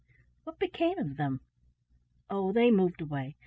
"What became of them?" "Oh, they moved away.